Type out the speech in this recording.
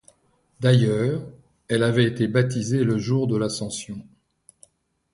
D'ailleurs, elle avait été baptisée le jour de l'Ascension.